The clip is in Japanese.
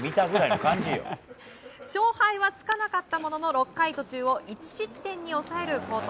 勝敗はつかなかったものの６回途中を１失点に抑える好投。